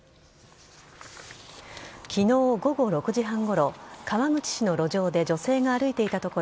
昨日午後６時半ごろ川口市の路上で女性が歩いていたところ